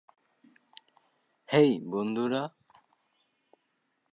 হেই, বন্ধুরা!